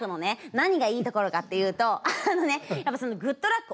何がいいところかっていうとあのねやっぱその「グッとラック！」